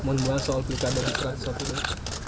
mau membahas soal pilkada mohon perhatian soal pilkada